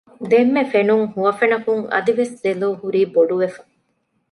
ދެންމެ ފެނުން ހުވަފެނަކުން އަދިވެސް ދެލޯ ހުރީ ބޮޑުވެފަ